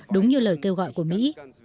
đúng như lời kêu gọi của mỹ